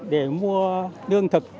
để mua nương thực